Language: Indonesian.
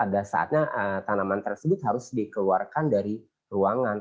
jadi pada saatnya tanaman tersebut harus dikeluarkan dari ruangan